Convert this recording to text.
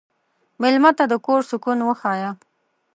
مېلمه ته د کور سکون وښیه.